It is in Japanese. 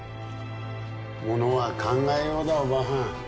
ものは考えようだおばはん。